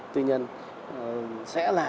tư nhân sẽ là